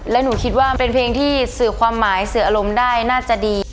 และหนูคิดว่ามันเป็นเพลงที่สื่อความหมายสื่ออารมณ์ได้น่าจะดี